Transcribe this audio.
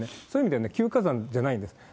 そういう意味で休火山じゃないんです。